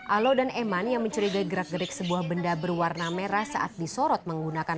alo dan eman yang mencurigai gerak gerik sebuah benda berwarna merah saat disorot menggunakan